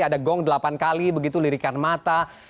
ada gong delapan kali begitu lirikan mata